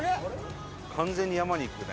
完全に山に行くね。